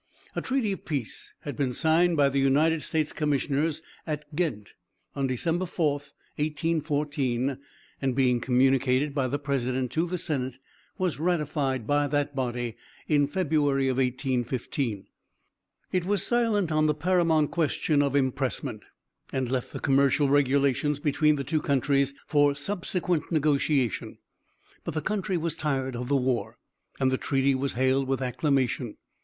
A treaty of peace had been signed by the United States commissioners at Ghent, on December 4, 1814, and being communicated by the president to the senate, was ratified by that body in February, 1815. It was silent on the paramount question of impressment, and left the commercial regulations between the two countries for subsequent negotiation. But the country was tired of the war, and the treaty was hailed with acclamation.